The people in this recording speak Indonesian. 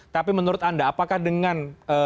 tapi menurut anda apakah dengan